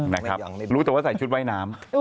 นะครับรู้แต่ว่าใส่ชุดว่ายน้ำ